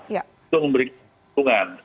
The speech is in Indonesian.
itu memberikan keuntungan